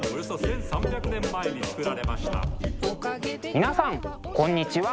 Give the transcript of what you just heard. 皆さんこんにちは。